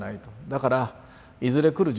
だからいずれ来る